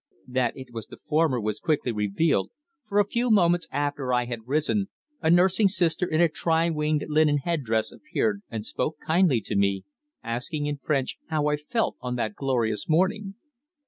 That it was the former was quickly revealed, for a few moments after I had risen, a nursing sister in a tri winged linen head dress appeared and spoke kindly to me, asking in French how I felt on that glorious morning.